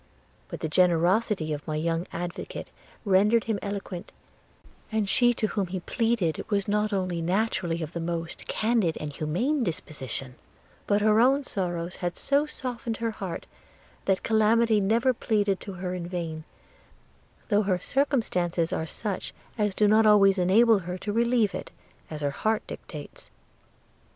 But the generosity of my young advocate rendered him eloquent; and she to whom he pleaded was not only naturally of the most candid and humane disposition, but her own sorrows had so softened her heart, that calamity never pleaded to her in vain, though her circumstances are such as do not always enable her to relieve it, as her heart dictates.